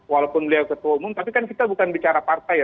walaupun beliau ketua umum tapi kan kita bukan bicara partai ya